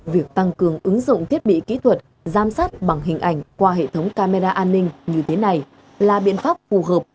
việc tăng cường ứng dụng thiết bị kỹ thuật giám sát bằng hình ảnh qua hệ thống camera an ninh như thế này là biện pháp phù hợp